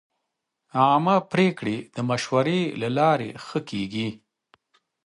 عامه پریکړې د مشورې له لارې ښه کېږي.